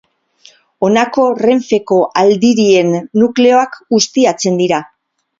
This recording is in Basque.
Honako Renfeko Aldirien nukleoak ustiatzen dira.